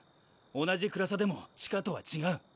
同じ暗さでも地下とは違う。